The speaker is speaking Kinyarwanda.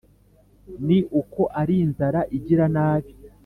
ni uko ari inzara igira nabi